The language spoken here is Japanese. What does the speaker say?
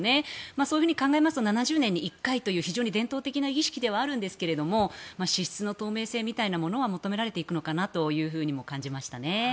そういうふうに考えますと７０年に１回という非常に伝統的な儀式ではあるんですが支出の透明性みたいなものは求められていくのかなとも感じましたね。